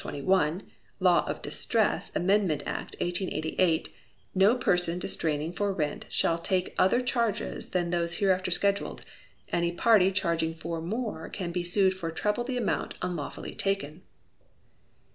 21 (Law of Distress Amendment Act, 1888), no person distraining for rent shall take other charges than those hereafter scheduled: any party charging more can be sued for treble the amount unlawfully taken.